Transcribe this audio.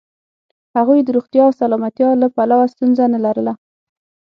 هغوی د روغتیا او سلامتیا له پلوه ستونزه نه لرله.